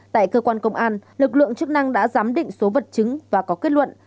tại cơ quan công an lực lượng chức năng đã giám định số vật chứng và có kết luận